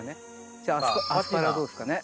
じゃあアスパラはどうですかね？